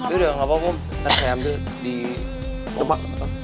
yaudah gapapa bapak ntar saya ambil di depan